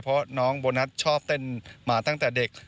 เพราะน้องโบนัสชอบเต้นมาตั้งแต่เด็ก